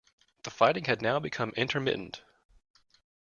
The fighting had now become intermittent.